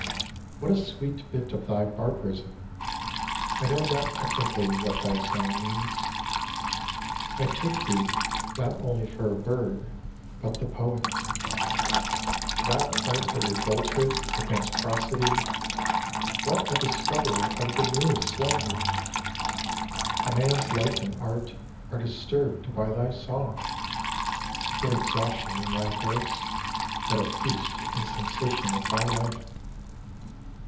What a sweet bit of thy barbarism I I know not technically what thy song means : I take thee not only for a bird but the poet. To a Nightingale %^ Thou art a revolter against prosody : What a discoverer of the newest language ! A man's life and art are disturbed by thy song, (What exhaustion in thy voice, What a feast and sensation of thy life